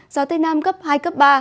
gió tây nam cấp hai cấp ba